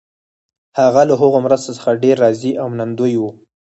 هغه له هغو مرستو څخه ډېر راضي او منندوی وو.